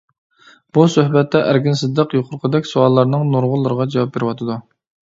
بۇ سۆھبەتتە ئەركىن سىدىق يۇقىرىقىدەك سوئاللارنىڭ نۇرغۇنلىرىغا جاۋاب بېرىۋاتىدۇ.